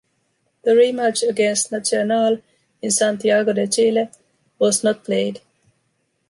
The rematch against Nacional in Santiago de Chile was not played.